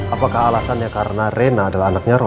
apakah alasannya karena reina adalah anaknya roy